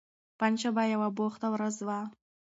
پنجشنبه یوه بوخته ورځ وه.